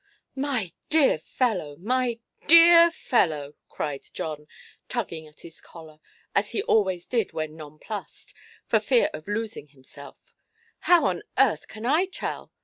"My dear fellow, my dear fellow"! cried John, tugging at his collar, as he always did when nonplussed, for fear of losing himself; "how on earth can I tell?